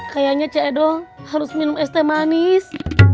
kayaknya si edhoh harus minum es teh manis